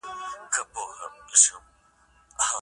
ایا خاوند او ميرمن خپل اختلافات پټ ساتي؟